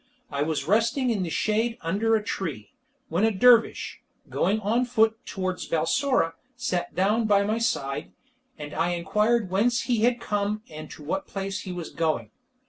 I was resting in the shade under a tree, when a dervish, going on foot towards Balsora, sat down by my side, and I inquired whence he had come and to what place he was going.